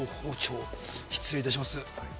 失礼いたします。